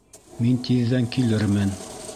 Мин тиҙҙән килермен